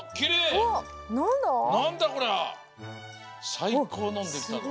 さいこうのできたぞ。